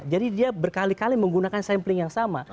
jadi dia berkali kali menggunakan sampling yang sama